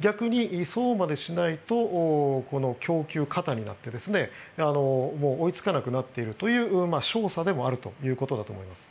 逆にそうまでしないと供給過多になって追いつかなくなっているという証左でもあると言えることだと思います。